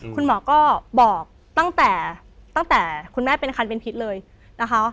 คุณหมอก็บอกตั้งแต่ตั้งแต่คุณแม่เป็นคันเป็นพิษเลยนะคะ